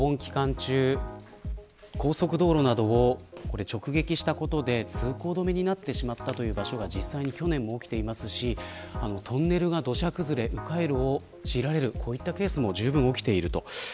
中高速道路などを直撃したことで通行止めになってしまったという場所が実際に去年も起きていますしトンネルが土砂崩れで迂回路を強いられるケースもじゅうぶん起きていると。